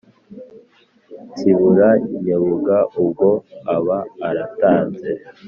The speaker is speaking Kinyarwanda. ntsibura nyebunga ubwo aba aratanze